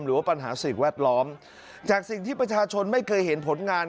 หรือว่าปัญหาสิ่งแวดล้อมจากสิ่งที่ประชาชนไม่เคยเห็นผลงาน